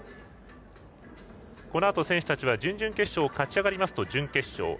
このあと選手たちは準々決勝を勝ち上がりますと準決勝。